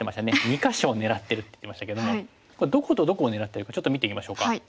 ２か所狙ってるって言ってましたけどこれどことどこを狙ってるかちょっと見ていきましょうか。